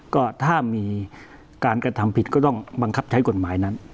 ก็ถ้ามีการกระทำผิดก็ต้องบังคับใช้กฎหมายนั้น